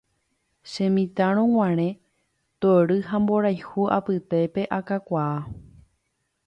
Chemitãrõguare tory ha mborayhu apytépe akakuaa.